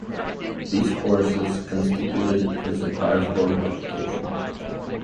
These courses constituted his entire formal education.